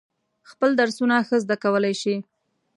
خپل درسونه ښه زده کولای شي.